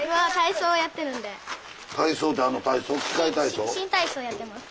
新体操やってます。